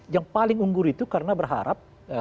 yang paling unggur itu karena berharap atau melihat gibran maju